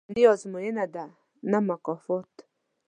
• شتمني ازموینه ده، نه مکافات.